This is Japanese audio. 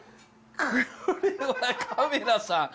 これはカメラさん